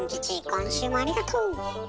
今週もありがとう！